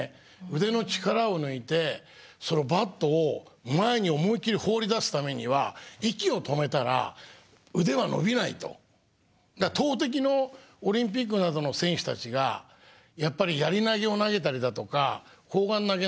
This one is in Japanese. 腕の力を抜いてバットを前に思い切り放り出すためには投てきのオリンピックなどの選手たちがやっぱりやり投げを投げたりだとか砲丸投げ